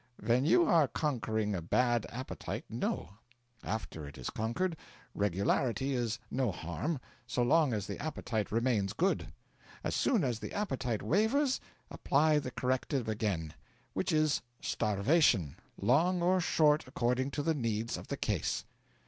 'When you are conquering a bad appetite no. After it is conquered, regularity is no harm, so long as the appetite remains good. As soon as the appetite wavers, apply the corrective again which is starvation, long or short according to the needs of the case.'